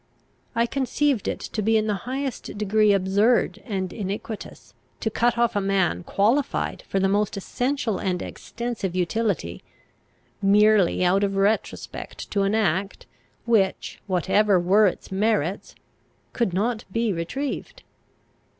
I conceived it to be in the highest degree absurd and iniquitous, to cut off a man qualified for the most essential and extensive utility, merely out of retrospect to an act which, whatever were its merits, could not be retrieved.